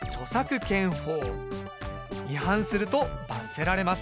違反すると罰せられます。